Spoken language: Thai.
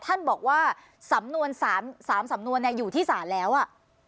ท่านบอกว่าสำนวน๓สำนวนอยู่ที่ศาลแล้วอ่ะ